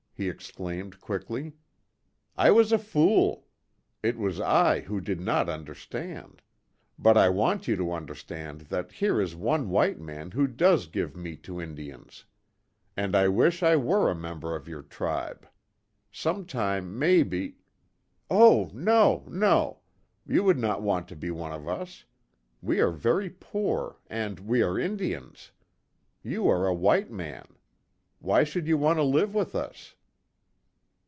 he exclaimed, quickly, "I was a fool! It was I who did not understand. But, I want you to understand that here is one white man who does give meat to Indians. And I wish I were a member of your tribe. Sometime, maybe " "Oh, no, no! You would not want to be one of us. We are very poor, and we are Indians. You are a white man. Why should you want to live with us?"